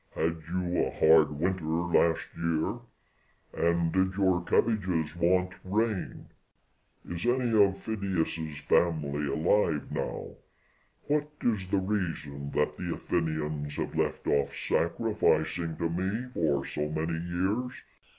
had you a hard winter last year? and did your cabbages want rain? is any of Phidias's family alive now? what is the reason that the Athenians have left off sacrificing to me for so many years?